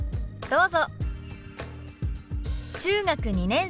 どうぞ。